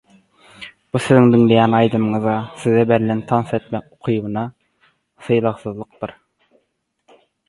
Bu siziň diňleýän aýdymyňyza, size berlen tans etmek ukybyna sylagsyzlykdyr.